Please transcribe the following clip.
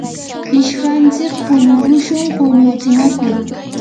ishkantsik punukushun quñutsinakur.